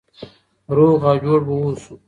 روغ او جوړ به اوسو.